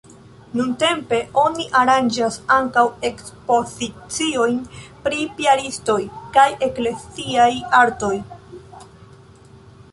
Nuntempe oni aranĝas ankaŭ ekspoziciojn pri piaristoj kaj ekleziaj artoj.